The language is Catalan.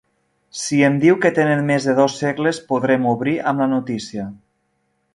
Si em diu que tenen més de dos segles podrem obrir amb la notícia.